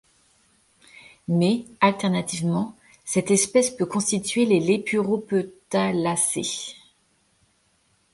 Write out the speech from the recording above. Mais, alternativement, cette espèce peut constituer les Lépuropetalacées.